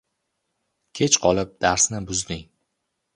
Kech qolib, darsni buzding